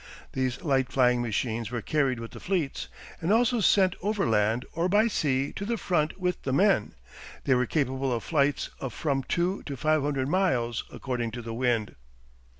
These light flying machines were carried with the fleets, and also sent overland or by sea to the front with the men. They were capable of flights of from two to five hundred miles according to the wind.